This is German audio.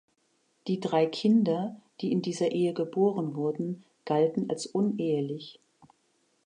Die drei Kinder, die in dieser Ehe geboren wurden, galten als unehelich.